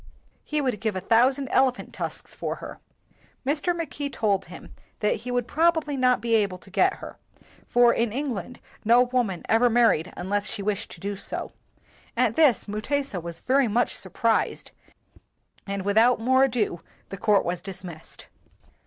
He would give a thou sand elephant tusks for her. 109 WHITE MAN OF WORK Mr. Mackay told him that he would prob ably not be able to get her, for in England no woman ever married unless she wished to do so. At this, Mutesa was very much sur prised, and without more ado court was dis missed.